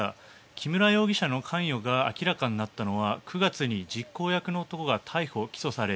木村容疑者の関与が明らかになったのは９月に実行役の男が逮捕・起訴され